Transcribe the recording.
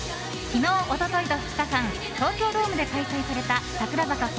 昨日、一昨日と２日間東京ドームで開催された櫻坂